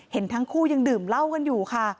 เห็นทั้งคู่ยังดื่มเหล้ากันอยู่ค่ะ